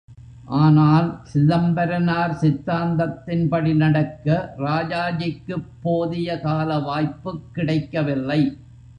ஆனால், சிதம்பரனார் சித்தாந்தத்தின் படி நடக்க ராஜாஜிக்குப் போதிய கால வாய்ப்புக் கிடைக்கவில்லை.